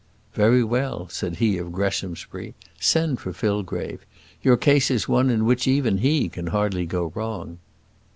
"Very well," said he of Greshamsbury, "send for Fillgrave. Your case is one in which even he can hardly go wrong."